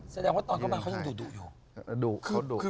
แสดงว่าตอนเข้ามาเขายังดุอยู่